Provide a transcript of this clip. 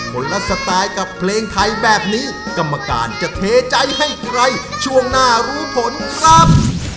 คนละสไตล์กับเพลงไทยแบบนี้กรรมการจะเทใจให้ใครช่วงหน้ารู้ผลครับ